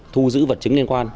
thu giữ vật chứng liên quan